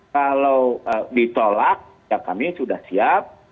kalau ditolak ya kami sudah siap